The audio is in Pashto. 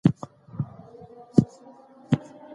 انسان باید خپله پرېکړه وکړي.